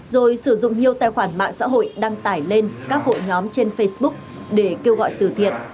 rồi sử dụng nhiều tài khoản mạng xã hội đăng tải lên các hội nhóm trên facebook để kêu gọi từ thiện